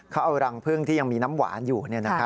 เขาเอารังพึ่งที่ยังมีน้ำหวานอยู่